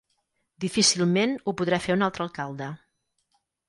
Difícilment ho podrà fer un altre alcalde.